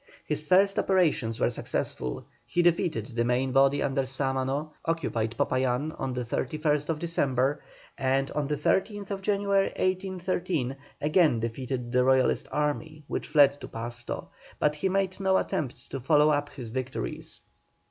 His first operations were successful; he defeated the main body under Sámano, occupied Popayán on the 31st December, and on the 13th January, 1813, again defeated the Royalist army, which fled to Pasto, but he made no attempt to follow up his victories.